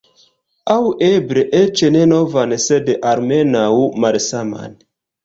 Aŭ eble eĉ ne novan sed almenaŭ malsaman.